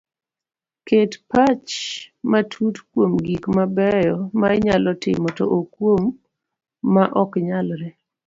Ket pach matut kuom gik mabeyo ma inyalo timo to ok kuom ma oknyalre